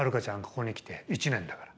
ここに来て１年だから。